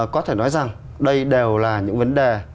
có thể nói rằng đây đều là những vấn đề